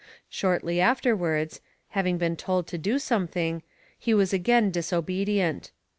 Shortly afterwards, having been told to do something, he was again disobedient.